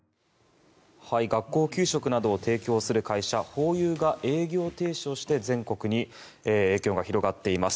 学校給食などを提供する会社ホーユーが営業停止をして全国に影響が広がっています。